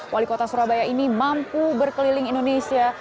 wali kota surabaya ini mampu berkeliling indonesia